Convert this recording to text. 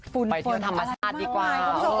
ไปเที่ยวธรรมชาติดีกว่า